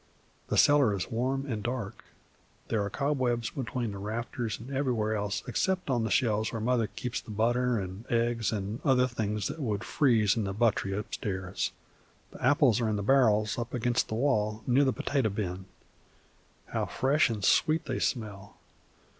"The cellar is warm an' dark. There are cobwebs all between the rafters an' everywhere else except on the shelves where Mother keeps the butter an' eggs an' other things that would freeze in the butt'ry upstairs. The apples are in bar'ls up against the wall, near the potater bin. How fresh an' sweet they smell!